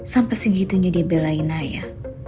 sampai segitunya dia belain naya